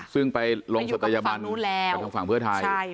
เพิ่งไปลงสัตยบัณฑ์ไปทางฝั่งเพื่อไทย